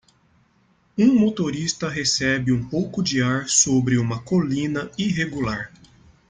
Um motorista recebe um pouco de ar sobre uma colina irregular.